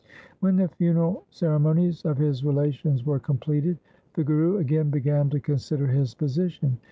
When the funeral ceremonies of his relations were completed, the Guru again began to consider his position.